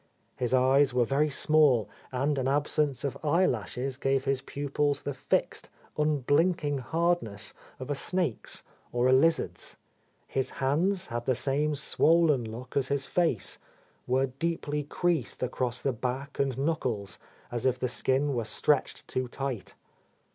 His eyes were very small, and an absence of eyelashes gave his pupils the fixed, unblinking hardness of a snake's A Lost Lady or a lizard's. His hands had the same swollen look as his face, were deeply creased across the back and knuckles, as if the skin were stretched too tight.